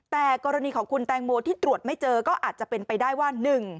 แต่กรณีของคุณแตงโมที่ตรวจไม่เจอก็อาจจะเป็นไปได้ว่า